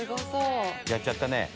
やっちゃったね。